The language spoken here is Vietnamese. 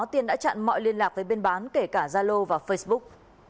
tiên đã chặn mọi liên lạc với bên bán kể cả zalo và facebook